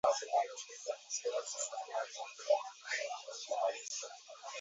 Bwana Ssebbo Ogongo, raia wa Uganda, ambaye amekuwa akiishi katika mji mkuu wa Kenya, Nairobi, kwa miaka kadhaa